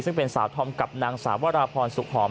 ซึ่งเป็นสาวธอมกับนางสาววราพรสุขหอม